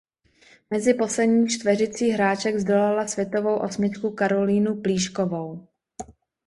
Mezi poslední čtveřicí hráček zdolala světovou osmičku Karolínu Plíškovou.